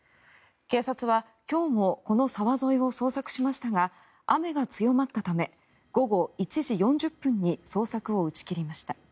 警察は今日もこの沢沿いを捜索しましたが雨が強まったため午後１時４０分に捜索を打ち切りました。